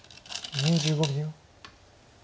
２５秒。